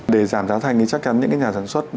để giảm giá thành thì chắc chắn những cái nhà sản xuất